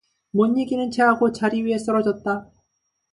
못 이기는 체하고 자리 위에 쓰러졌다.